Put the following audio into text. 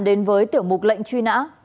đến với tiểu mục lần này